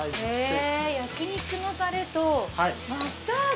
へっ焼肉のタレとマスタード。